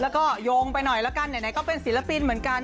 แล้วก็โยงไปหน่อยละกันไหนก็เป็นศิลปินเหมือนกัน